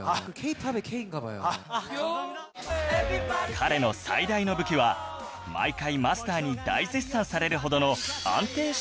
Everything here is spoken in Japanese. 彼の最大の武器は毎回マスターに大絶賛されるほどの